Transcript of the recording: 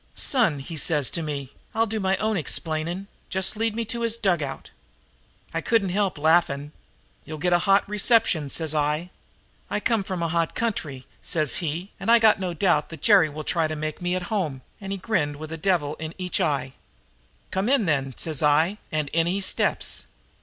Son,' he says to me, 'I'll do my own explaining. Just lead me to his dugout.' "I couldn't help laughing. 'You'll get a hot reception,' says I. "'I come from a hot country,' says he, 'and I got no doubt that Jerry will try to make me at home,' and he grinned with a devil in each eye. "'Come in, then,' says I, and in he steps.